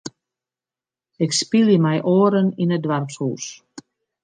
Ik spylje mei oaren yn it doarpshûs.